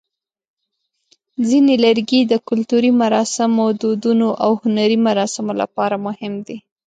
ځینې لرګي د کلتوري مراسمو، دودونو، او هنري مراسمو لپاره مهم دي.